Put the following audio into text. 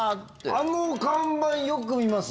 あの看板よく見ます。